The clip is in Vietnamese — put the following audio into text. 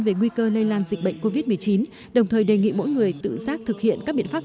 về nguy cơ lây lan dịch bệnh covid một mươi chín đồng thời đề nghị mỗi người tự giác thực hiện các biện pháp